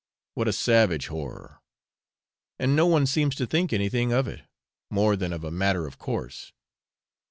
What a savage horror! And no one seems to think anything of it, more than of a matter of course.